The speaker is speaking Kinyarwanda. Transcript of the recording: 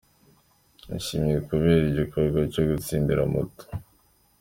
Nishimye kubera igikorwa cyo gutsindira moto.